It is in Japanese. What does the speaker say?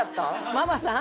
ママさん？